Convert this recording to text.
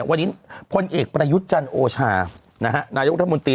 วันนี้พลเอกปรยุจันทร์โอชานายกุธรมนตรี